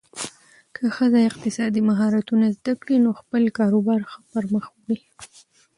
که ښځه اقتصادي مهارتونه زده کړي، نو خپل کاروبار ښه پرمخ وړي.